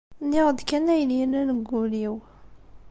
Nniɣ-d kan ayen yellan deg ul-iw.